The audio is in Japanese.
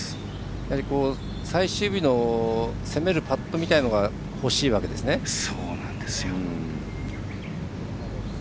やはり最終日の攻めるパットみたいなのが欲しいわけですね。